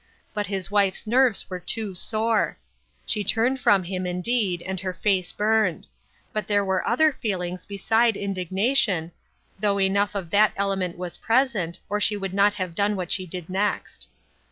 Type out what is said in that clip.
But his wife's nerves were too sore. She turned from him, in deed, and her face burned. But there were other feelings beside indignation, though enough of that element was present, or she would not have done what she did next.